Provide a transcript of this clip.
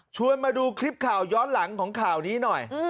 มาดูคลิปข่าวย้อนหลังของข่าวนี้หน่อย